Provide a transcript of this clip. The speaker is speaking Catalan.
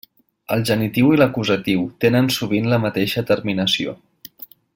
El genitiu i l'acusatiu tenen sovint la mateixa terminació.